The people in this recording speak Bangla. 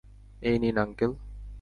এই নিন, আঙ্কেল।